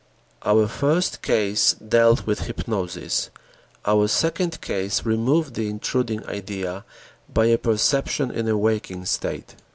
Our first case dealt with hypnosis, our second case removed the intruding idea by a perception in a waking state.